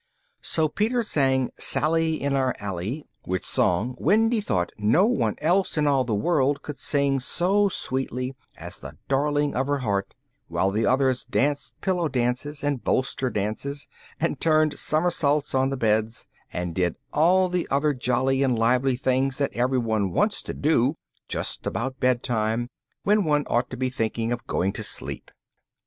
So Peter sang "Sally in our Alley," which song Wendy thought no one else in all the world could sing so sweetly as the darling of her heart, while the others danced pillow dances, and bolster dances, and turned somersaults on the beds, and did all the other jolly and lively things that everyone wants to do just about bedtime, when one ought to be thinking of going to sleep.